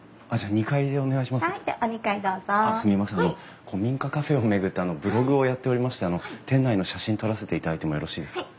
あの古民家カフェを巡ってブログをやっておりまして店内の写真撮らせていただいてもよろしいですか？